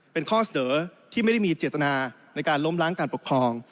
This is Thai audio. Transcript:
เป็นข้อเสนอที่ไม่ได้มีเจตนาในการล้มล้างการปกครอง